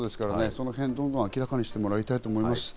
そのへんどんどん明らかにしてもらいたいと思います。